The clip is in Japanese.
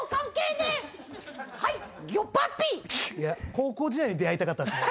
高校時代に出会いたかったっすね。